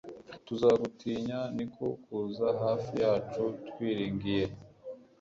tuzagutinya niko kuza hafi yacu twiringiye